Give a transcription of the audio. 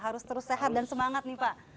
harus terus sehat dan semangat nih pak